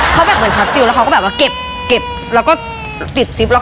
เขาแบบเหมือนชัฟติวแล้วเขาก็แบบว่าเก็บแล้วก็ติดซิป